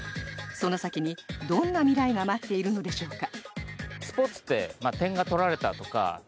その先に、どんな未来が待っているのでしょうか。